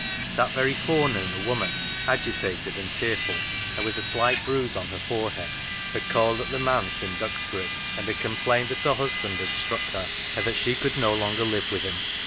That very forenoon a woman, agitated and tearful, and with a slight bruise on her forehead, had called at the manse in Dux bury, and had complained that her husband had struck her, and that she could no longer live with him.